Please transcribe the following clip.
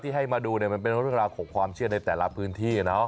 ให้มาดูเนี่ยมันเป็นเรื่องราวของความเชื่อในแต่ละพื้นที่